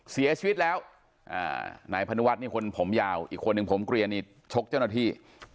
เสียชีวิตแล้วนายพนุวัฒน์นี่คนผมยาวอีกคนหนึ่งผมเกลียนนี่ชกเจ้าหน้าที่